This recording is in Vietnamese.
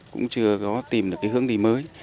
cũng chưa có tìm được cái hướng đi mới